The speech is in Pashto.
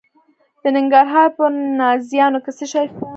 د ننګرهار په نازیانو کې څه شی شته؟